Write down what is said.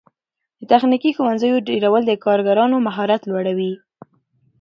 د تخنیکي ښوونځیو ډیرول د کارګرانو مهارت لوړوي.